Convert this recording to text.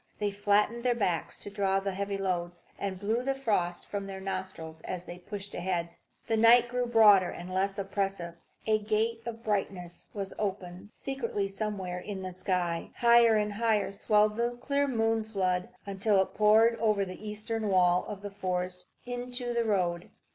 They flattened their backs to draw the heavy loads, and blew the frost from their nostrils as they pushed ahead. The night grew broader and less oppressive. A gate of brightness was opened secretly somewhere in the sky; higher and higher swelled the clear moon flood, until it poured over the eastern wall of forest into the road.